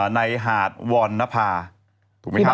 ในหาดวรณภาถูกมั้ยครับ